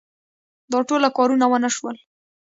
دا ټوله کارونه ونه شول.